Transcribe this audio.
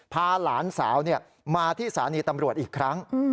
พาหลานสาวมาที่สถานีตำรวจอีกครั้ง